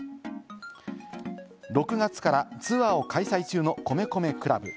６月からツアーを開催中の米米ＣＬＵＢ。